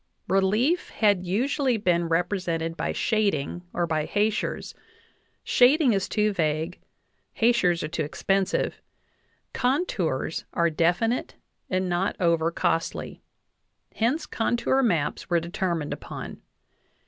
Relief had usually been repre sented by shading or by hachures ; shading is too vague, hach ures are too expensive, contours are definite and not over costly ; hence contour maps were determined upon.